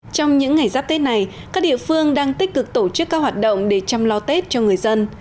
trong những ngày giáp tết này các địa phương đang tích cực tổ chức các hoạt động để chăm lo tết cho người dân